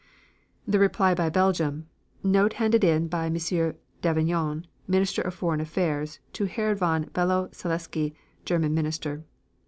THE REPLY BY BELGIUM Note handed in by M. Davignon, Minister for Foreign Affairs, to Herr von Below Saleske, German Minister.